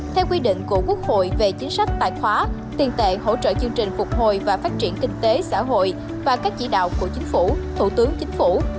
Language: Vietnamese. theo quy định của quốc hội về chính sách tài khóa tiền tệ hỗ trợ chương trình phục hồi và phát triển kinh tế xã hội và các chỉ đạo của chính phủ thủ tướng chính phủ